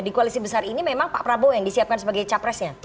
di koalisi besar ini memang pak prabowo yang disiapkan sebagai capresnya